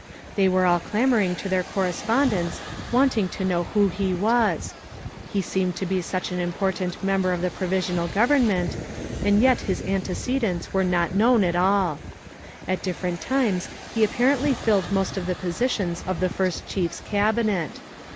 They were all clamoring to their cor respondents, wanting to know who he was. He seemed to be such an important member of the provisional goremment, and yet his antecedents were not known at alL At different times he apparently filled most of the positions in the First Chiers Cabinet.